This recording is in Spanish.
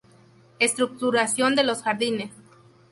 Estructuración de los jardines.